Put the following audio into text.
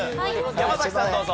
山崎さんどうぞ。